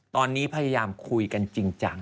ตอนนี้พยายามคุยกันจริงจัง